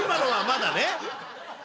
まだね。